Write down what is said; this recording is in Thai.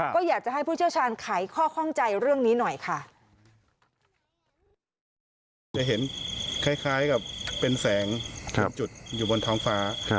ก็อยากจะให้ผู้เชี่ยวชาญไขข้อข้องใจเรื่องนี้หน่อยค่ะ